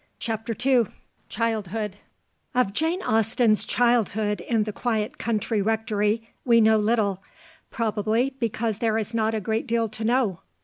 CHAPTER II CHILDHOOD Of Jane Austen's childhood in the quiet country rectory we know little, probably because there is not a great deal to know.